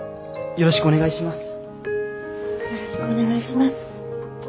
よろしくお願いします。